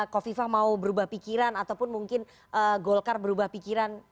kofifa mau berubah pikiran ataupun mungkin golkar berubah pikiran